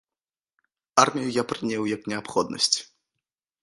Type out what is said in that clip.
Армію я прыняў як неабходнасць.